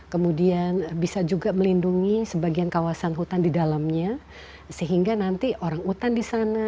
kemudian bisa juga melindungi sebagian kawasan hutan di dalamnya sehingga nanti orang hutan di sana